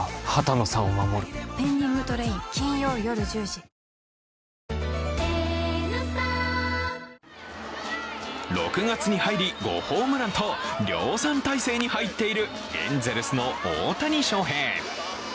こだわりの一杯「ワンダ極」６月に入り、５ホームランと量産体制に入っているエンゼルスの大谷翔平。